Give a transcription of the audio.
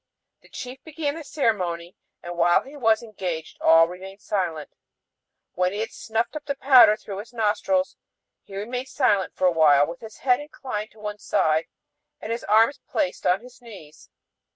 The chief began the ceremony and while he was engaged all remained silent .... When he had snuffed up the powder through his nostrils, he remained silent for a while with his head inclined to one side and his arms placed on his knees.